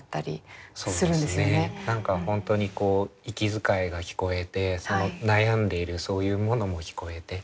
何か本当にこう息遣いが聞こえてその悩んでいるそういうものも聞こえて。